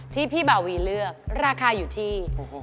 ที่พี่บาวีเลือกราคาอยู่ที่